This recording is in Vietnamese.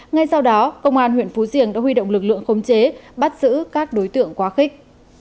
ngay sau đó công an huyện phú diềng đã huy động lực lượng khống chế bắt giữ các đối tượng quá khích